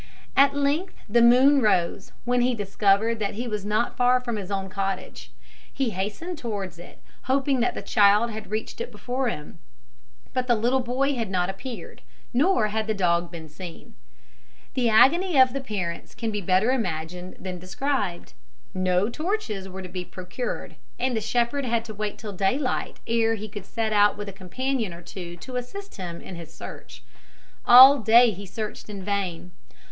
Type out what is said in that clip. At length the moon rose, when he discovered that he was not far from his own cottage. He hastened towards it, hoping that the child had reached it before him; but the little boy had not appeared, nor had the dog been seen. The agony of the parents can be better imagined than described. No torches were to be procured, and the shepherd had to wait till daylight ere he could set out with a companion or two to assist him in his search. All day he searched in vain.